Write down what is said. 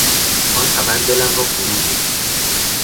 آن خبر دلم را فروریخت.